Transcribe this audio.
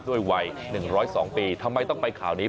ด้วยวัยหนึ่งร้อยสองปีทำไมต้องไปข่าวนี้